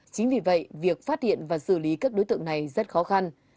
chính vì vậy việc phát hiện và xử lý các đối tượng này rất khó khăn